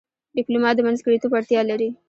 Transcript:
ډيپلومات د منځګړیتوب وړتیا لري.